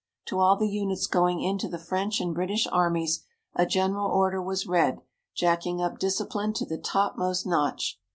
To all the units going into the French and British Armies a general order was read, jacking up discipline to the topmost notch.